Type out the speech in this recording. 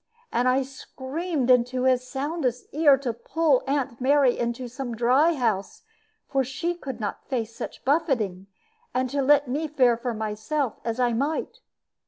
And I screamed into his soundest ear to pull Aunt Mary into some dry house for she could not face such buffeting and to let me fare for myself as I might.